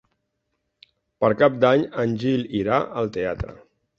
Per Cap d'Any en Gil irà al teatre.